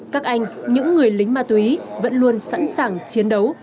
các anh những người lính ma túy vẫn luôn sẵn sàng chiến đấu